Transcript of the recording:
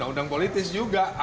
akhirnya kita mencurigainya